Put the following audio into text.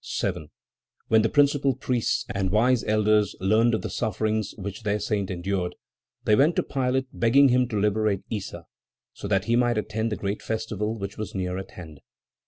7. When the principal priests and wise elders learned of the sufferings which their Saint endured, they went to Pilate, begging him to liberate Issa, so that he might attend the great festival which was near at hand.